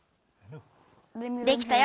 できたよ！